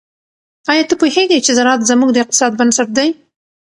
آیا ته پوهیږې چې زراعت زموږ د اقتصاد بنسټ دی؟